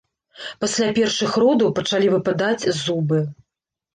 Пасля першых родаў пачалі выпадаць зубы.